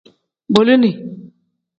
Bolini.